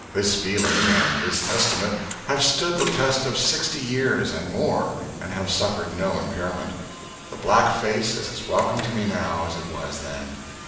This feeling and this estimate have stood the test of sixty years and more and have suffered no impairment. The black face is as welcome to me now as it was then.